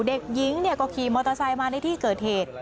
เด็กหญิงก็ขี่มอเตอร์ไซค์มาในที่เกิดเหตุ